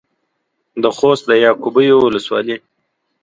د خوست د يعقوبيو ولسوالۍ.